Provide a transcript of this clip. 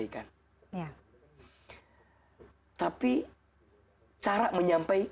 kita pernah seminggu minggu